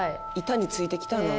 「板についてきたな」